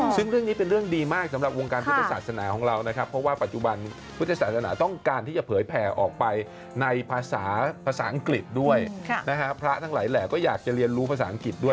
ซึ่งเรื่องนี้เป็นเรื่องดีมากสำหรับวงการพุทธศาสนาของเรานะครับเพราะว่าปัจจุบันพุทธศาสนาต้องการที่จะเผยแผ่ออกไปในภาษาภาษาอังกฤษด้วยนะฮะพระทั้งหลายแหล่ก็อยากจะเรียนรู้ภาษาอังกฤษด้วย